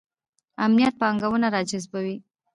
امنیت پانګونه راجذبوي